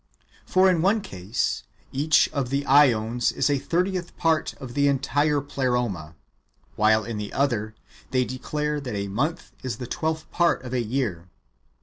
For, in the one case, each of the ^ons is a thirtieth part of the entire Pleroma, while in the other they declare that a month is the twelfth part of a year.